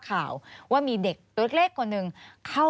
ควิทยาลัยเชียร์สวัสดีครับ